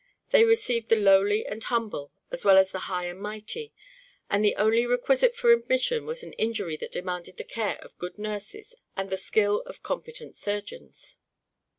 They received the lowly and humble as well as the high and mighty and the only requisite for admission was an injury that demanded the care of good nurses and the skill of competent surgeons.